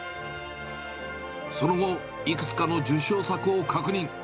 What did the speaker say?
その後、いくつかの受賞作を確認。